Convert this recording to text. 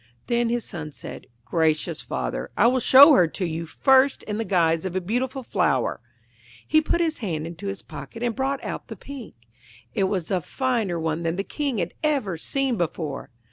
Then his son said, 'Gracious father, I will show her to you first in the guise of a beautiful flower.' He put his hand into his pocket, and brought out the Pink. It was a finer one than the King had ever seen before.